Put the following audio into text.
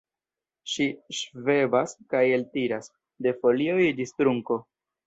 Ĝi ŝvebas kaj eltiras, de folioj ĝis trunko.